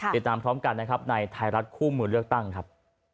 ติดตามพร้อมกันนะครับในไทยรัฐคู่มือเลือกตั้งครับ